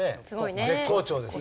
絶好調ですよ。